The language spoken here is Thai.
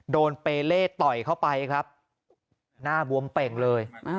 โดนเปเล่ต่อยเข้าไปครับหน้าบวมเป่งเลย